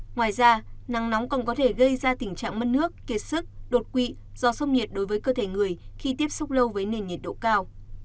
ngoài ra nắng nóng còn có thể gây ra tình trạng mất nước kiệt sức đột quỵ do sốc nhiệt đối với cơ thể người khi tiếp xúc lâu với nền nhiệt độ cao